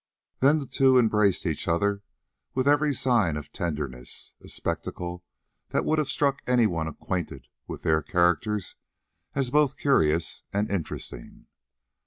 Then the two embraced each other with every sign of tenderness, a spectacle that would have struck anyone acquainted with their characters as both curious and interesting.